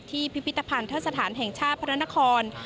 พิพิธภัณฑสถานแห่งชาติพระนคร